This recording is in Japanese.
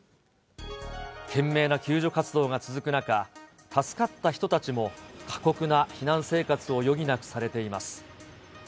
懸命な救助活動が続く中、助かった人たちも過酷な避難生活を余儀なくされています。